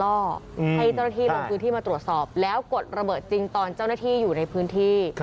ก็ให้เจ้าหน้าที่ลงพื้นที่มาตรวจสอบแล้วกดระเบิดจริงตอนเจ้าหน้าที่อยู่ในพื้นที่